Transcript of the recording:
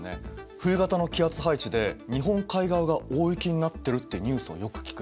冬型の気圧配置で日本海側が大雪になってるっていうニュースはよく聞く。